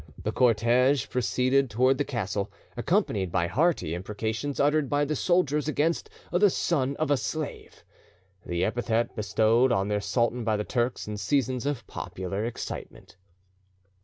The cortege proceeded towards the castle, accompanied by hearty imprecations uttered by the soldiers against the "Son of a Slave," the epithet bestowed on their sultan by the Turks in seasons of popular excitement.